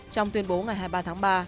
trong tuyên bố ngày hai mươi ba tháng ba